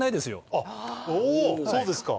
そうですか。